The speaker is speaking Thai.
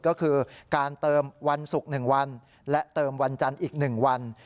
ก็คือการเติมวันศุกร์๑วันและเติมวันจันทร์อีก๑วัน